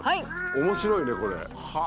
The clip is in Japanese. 面白いねこれ。